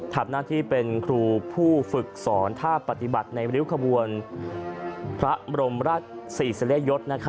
ทำหน้าที่เป็นครูผู้ฝึกสอนท่าปฏิบัติในริ้วขบวนพระบรมราชศรีสริยยศ